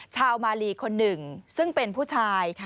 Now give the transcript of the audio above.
ชาวมาลีคนหนึ่งซึ่งเป็นผู้ชาย